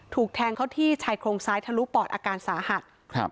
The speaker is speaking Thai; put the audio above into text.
ถูกแทงเขาที่ชายโครงซ้ายทะลุปอดอาการสาหัสครับ